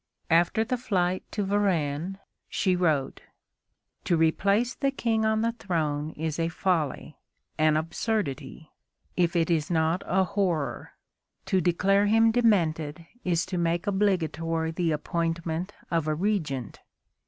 After the flight to Varennes, she wrote: "To replace the King on the throne is a folly, an absurdity, if it is not a horror; to declare him demented is to make obligatory the appointment of a regent.